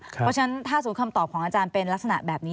เพราะฉะนั้นถ้าสมมุติคำตอบของอาจารย์เป็นลักษณะแบบนี้